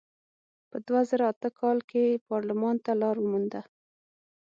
په دوه زره اته کال کې پارلمان ته لار ومونده.